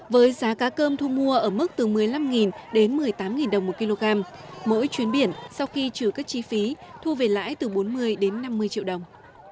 với giá cá cơm thu mua ở mức từ một mươi năm đến một mươi tám đồng một kg mỗi chuyến biển sau khi trừ các chi phí thu về lãi từ bốn mươi đến năm mươi triệu đồng